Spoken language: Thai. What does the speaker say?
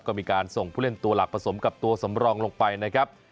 ก็มีการส่งผู้เล่นตัวหลักผสมกับตัวสำรองลงไปนะครับ